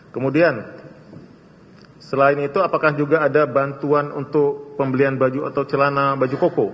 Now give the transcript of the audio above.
kemudian selain itu apakah juga ada bantuan untuk pembelian baju atau celana baju koko